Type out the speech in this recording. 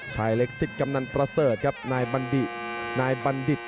ชายเล็กซิตกำนันประเสริฐครับนายบัณฑิต